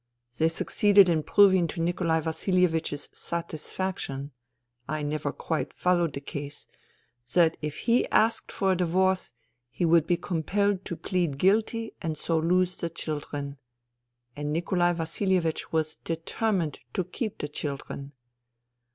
They succeeded in proving to Nikolai Vasilievich's satisfaction — I never quite followed the case — that if he asked for a divorce he would be compelled to plead guilty and so lose the children ; and Nikolai Vasihevich was deter mined to keep the children.